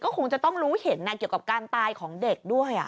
คงจะต้องรู้เห็นเกี่ยวกับการตายของเด็กด้วย